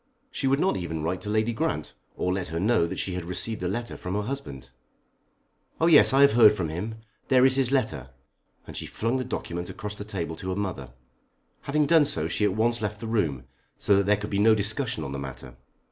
She would not even write to Lady Grant, or let her know that she had received a letter from her husband. "Oh, yes; I have heard from him. There is his letter," and she flung the document across the table to her mother. Having done so she at once left the room, so that there should be no discussion on the matter.